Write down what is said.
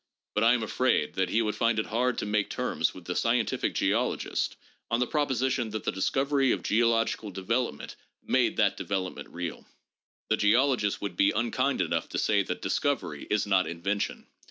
But I am afraid that he would find it hard to make terms with the scientific geologist on the proposition that the discovery of geological development made that development real. The geologist would be unkind enough to say that discovery is not invention.